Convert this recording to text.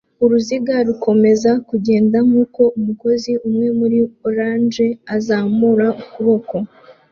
Uruziga rukomeza kugenda nkuko umukozi umwe muri orange azamura ukuboko